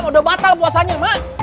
udah batal bosannya ma